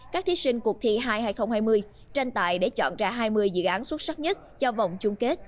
các thí sinh cuộc thi hai hai nghìn hai mươi tranh tại để chọn ra hai mươi dự án xuất sắc nhất cho vòng chung kết